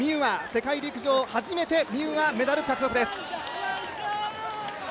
世界陸上初めてミューアメダル獲得です。